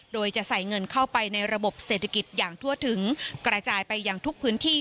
โดยจะใส่เงินเข้าไปในระบบเศรษฐกิจอย่างทั่วถึงกระจายไปอย่างทุกพื้นที่